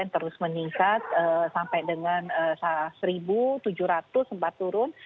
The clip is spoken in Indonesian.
terus meningkat sampai dengan satu tujuh ratus sempat turun